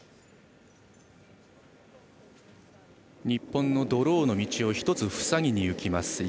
日本のドローの道を１つ塞ぎにいきます